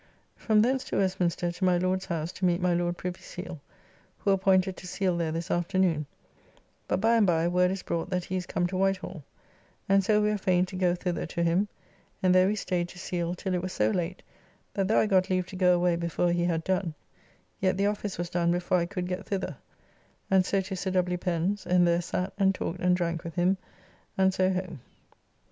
From thence to Westminster to my Lord's house to meet my Lord Privy Seal, who appointed to seal there this afternoon, but by and by word is brought that he is come to Whitehall, and so we are fain to go thither to him, and there we staid to seal till it was so late that though I got leave to go away before he had done, yet the office was done before I could get thither, and so to Sir W. Pen's, and there sat and talked and drank with him, and so home.